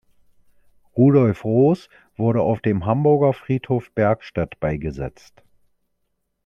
Rudolf Roß wurde auf dem Hamburger Friedhof Bergstedt beigesetzt.